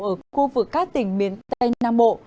ở khu vực các tỉnh miền tây nam bộ